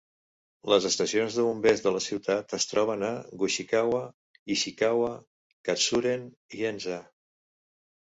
Les estacions de bombers de la ciutat es troben a Gushikawa, Ishikawa, Katsuren i Henza.